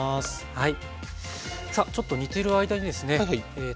はい。